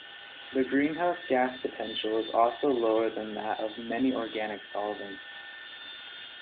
The greenhouse gas potential is also lower than that of many organic solvents.